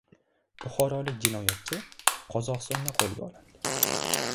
Buxorolik jinoyatchi Qozog‘istonda qo‘lga olindi